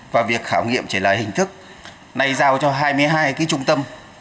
và việc khảo nghiệm trở lại hình thức này giao cho hai mươi hai trung tâm